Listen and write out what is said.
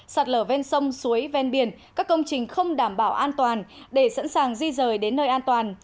sạt lở ven sông suối ven biển các công trình không đảm bảo an toàn để sẵn sàng di rời đến nơi an toàn